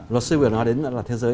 luật sư nguyễn nói đến là thế giới